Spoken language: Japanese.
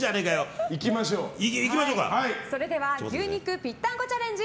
それでは牛肉ぴったんこチャレンジ